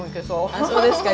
あっそうですか。